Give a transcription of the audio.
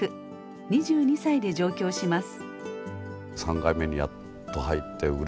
２２歳で上京します。